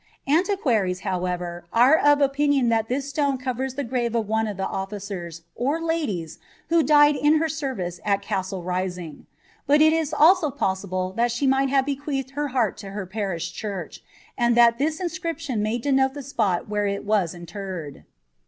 ^ Antiquaries, however, are of opinion that this stone covers the grave of one of the officers, or ladies, who died in her service at Castle Rising; but it is also possible that she might have bequeathed her heart to her pariah church, and that this inscription nmy denote the spot where it was interred.